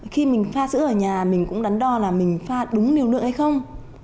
khi mình pha sữa ở nhà mình cũng đắn đo là mình pha đúng liều lượng hay không